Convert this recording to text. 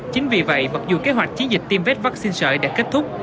chính vì vậy mặc dù kế hoạch chiến dịch tiêm vét vaccine sợi đã kết thúc